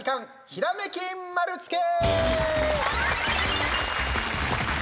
ひらめき丸つけ。